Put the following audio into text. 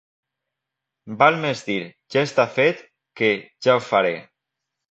Val més dir «ja està fet» que «ja ho faré».